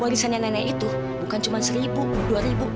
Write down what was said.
warisannya nenek itu bukan cuma seribu dua ribu